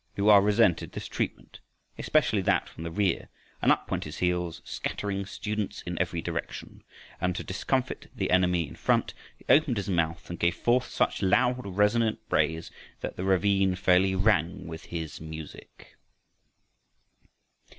Lu a resented this treatment, especially that from the rear, and up went his heels, scattering students in every direction; and to discomfit the enemy in front he opened his mouth and gave forth such loud resonant brays that the ravine fairly rang with his music.